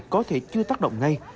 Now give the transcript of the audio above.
có thể chưa tác động ngay